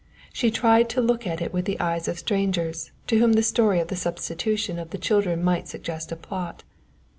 She tried to look at it with the eyes of strangers, to whom the story of the substitution of the children might suggest a plot.